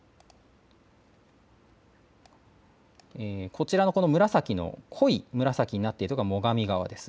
こちらが紫の濃い紫になっているのが最上川です。